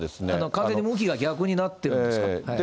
完全に向きが逆になってるんですよ。